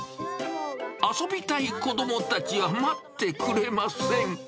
遊びたい子どもたちは待ってくれません。